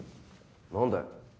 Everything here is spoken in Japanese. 何だよ？